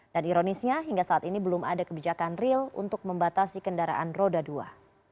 dan ironisnya hingga saat ini belum ada kebijakan real untuk membatasi kendaraan roda dua